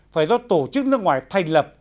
phải do tổ chức nước ngoài thành lập